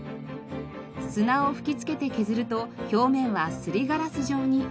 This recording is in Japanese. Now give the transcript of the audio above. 砂を吹き付けて削ると表面はすりガラス状に。